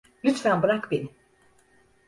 Lütfen bırak beni!